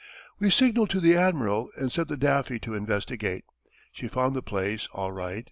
"We signalled to the admiral, and sent the Daffy to investigate. She found the place, all right.